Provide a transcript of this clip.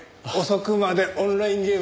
遅くまでオンラインゲームか？